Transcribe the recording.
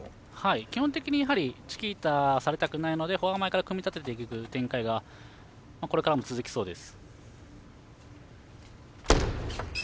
基本的にチキータされたくないのでフォア前から組み立てていく展開がこれからも続きそうです。